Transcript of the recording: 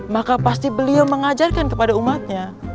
maka pasti beliau mengajarkan kepada umatnya